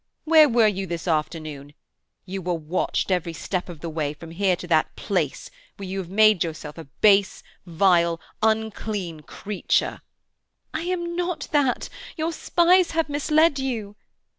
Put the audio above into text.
Where were you this afternoon? You were watched every step of the way from here to that place where you have made yourself a base, vile, unclean creature—." "I am not that! Your spies have misled you."